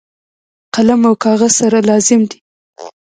قلم او کاغذ سره لازم دي.